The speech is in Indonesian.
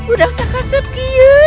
udah usah kasep kia